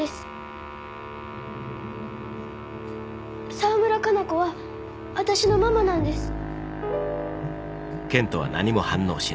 沢村加奈子は私のママなんです私